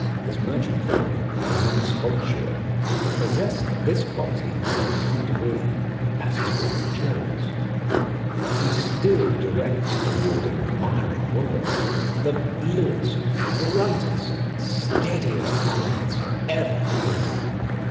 His merchant friend Hieronymus Holzschuher possessed this quality in a high degree, as his portrait shows. He still directs toward an admiring world the bluest, brightest, steadiest eyes ever painted.